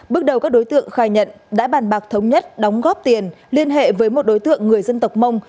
bước đầu các đối tượng khai nhận đã bàn bạc thống nhất đóng góp tiền liên hệ với một đối tượng người dân tộc mông